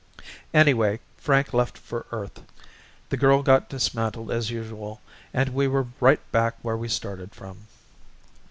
Anyway, Frank left for Earth, the girl got dismantled as usual and we were right back where we started from.